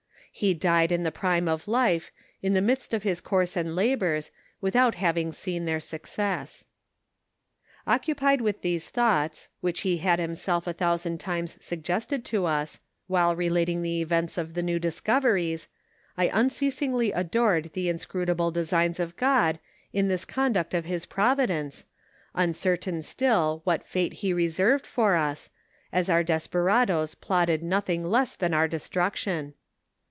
He died in the prime of life, in the midst of his conree and labors, without having seen their success. Occupied with these thoughts, which he had himself a thousand times suggested to us, while relating the events of the new discoveries, I unceasingly adored the inscrutable de signs of God in this conduct of his providence, uncertain still what fate he reserved for us, as our desperadoes plotted noth ing less than our destruction.